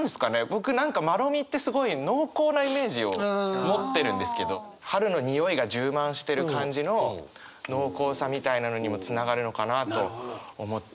僕何かまろみってすごい濃厚なイメージを持ってるんですけど春のにおいが充満してる感じの濃厚さみたいなのにもつながるのかなと思って。